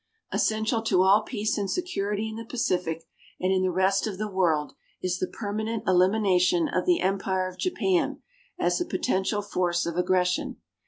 Essential to all peace and security in the Pacific and in the rest of the world is the permanent elimination of the Empire of Japan as a potential force of aggression.